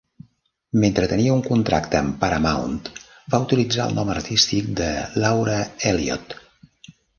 Mentre tenia un contracte amb Paramount, va utilitzar el nom artístic de Laura Elliot.